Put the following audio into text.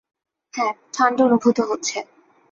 হ্যাঁ, ঠান্ডা অনুভূত হচ্ছে।